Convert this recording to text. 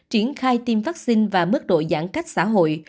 triển khai tiêm vaccine và mức độ giãn cách xã hội